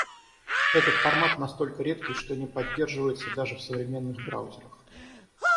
Этот формат настолько редкий, что не поддерживается даже в современных браузерах.